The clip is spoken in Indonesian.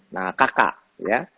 nah kk ya